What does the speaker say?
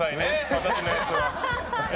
私のやつは。